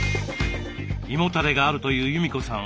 胃もたれがあるという裕美子さん